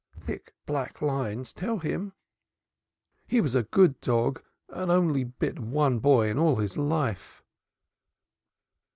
Thick, black lines, tell him. He was a good dog and only bit one boy in his life."